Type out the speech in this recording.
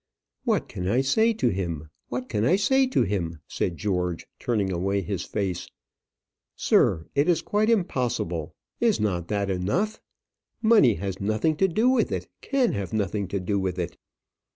"What can I say to him? what can I say to him?" said George, turning away his face. "Sir, it is quite impossible. Is not that enough? Money has nothing to do with it; can have nothing to do with it."